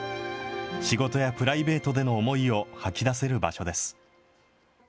仕事やプライベートでの思いを吐き出せる場所です。